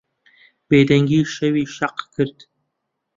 بێدەنگیی شەوی شەق کرد.